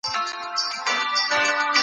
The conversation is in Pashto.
زکات په وخت ادا کړئ.